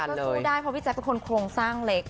พี่ใจก็รู้ได้เพราะพี่ใจเป็นคนโครงสร้างเล็ก